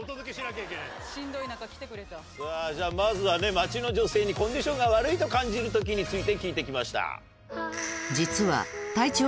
街の女性にコンディションが悪いと感じる時について聞いてきました。